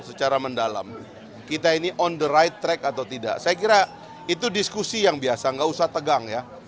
secara mendalam kita ini on the right track atau tidak saya kira itu diskusi yang biasa nggak usah tegang ya